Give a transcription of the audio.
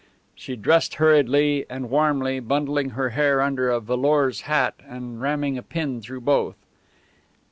She dressed hurriedly and warmly, bundling her hair under a velours hat and ramming a pin through both.